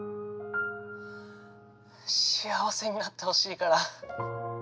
幸せになってほしいから。